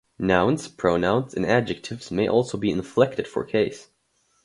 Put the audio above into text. Nouns, pronouns, and adjectives may also be inflected for case.